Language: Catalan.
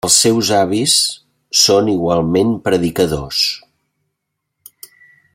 Els seus avis són igualment predicadors.